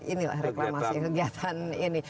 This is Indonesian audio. ini lah reklamasi kegiatan ini